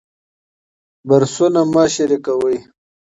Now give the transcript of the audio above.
برسونه مه شریکوئ.